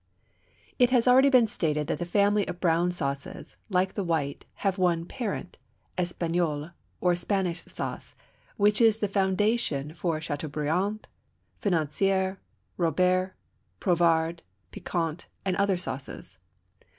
It has been already stated that the family of brown sauces, like the white, have one parent, Espagnole, or Spanish sauce, which is the foundation for Châteaubriand, Financière, Robert, Poivrade, Piquante, and other sauces.